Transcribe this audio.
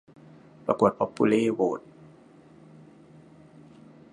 ประกวดป๊อบปูเล่โหวต